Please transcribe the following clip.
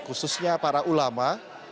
khususnya para ulama